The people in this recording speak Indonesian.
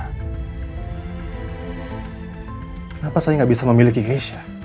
kenapa saya nggak bisa memiliki keisha